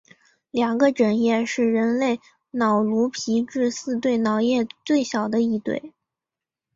两个枕叶是人类脑颅皮质四对脑叶最小的一对。